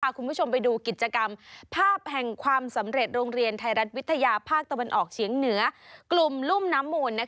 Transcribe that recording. คุณผู้ชมไปดูกิจกรรมภาพแห่งความสำเร็จโรงเรียนไทยรัฐวิทยาภาคตะวันออกเฉียงเหนือกลุ่มรุ่มน้ำมูล